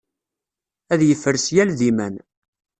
Ad yefres yal d iman.